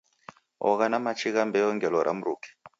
Ogha na machi gha mbeo ngelo ra mruke.